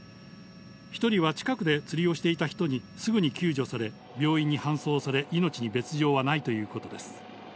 １人は近くで釣りをしていた人にすぐに救助され病院に搬送され命に別条はないということです。